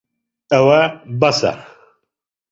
ئەوە بەسە.